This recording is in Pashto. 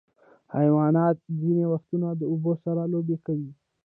حیوانات ځینې وختونه د اوبو سره لوبې کوي.